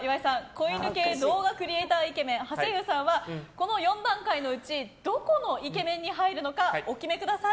子犬系動画クリエーターイケメンはせゆうさんはこの４段階のうちどこのイケメンに入るのかお決めください。